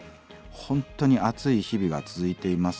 本当に暑い日々が続いています。